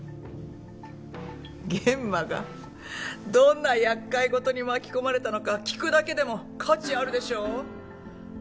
諫間がどんなやっかい事に巻き込まれたのか聞くだけでも価値あるでしょ？